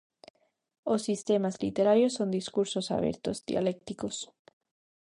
Os sistemas literarios son discursos abertos, dialécticos.